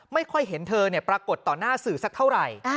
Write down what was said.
ไม่ค่อยเห็นเธอปรากฏต่อหน้าสื่อสักเท่าไหร่